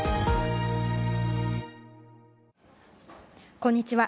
こんにちは。